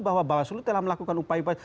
bahwa bawaslu telah melakukan upaya upaya